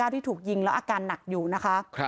ที่ถูกยิงแล้วอาการหนักอยู่นะคะ